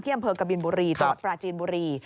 ที่อำเภอกบิลบุรีจอดปราจีนบุรี